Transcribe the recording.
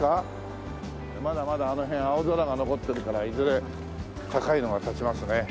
まだまだあの辺青空が残ってるからいずれ高いのが建ちますね。